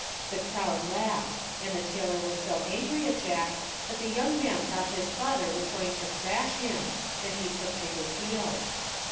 The crowd laughed, and the tailor was so angry at Jack that the young man thought his father was going to thrash him and he took to his heels.